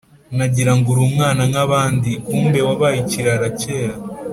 Nagira ngo uri umwana nk’abandi, kumbe wabaye ikirara cyera